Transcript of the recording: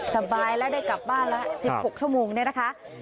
สบายแล้วได้กลับบ้านแล้ว๑๖ชั่วโมงเนี่ยนะคะ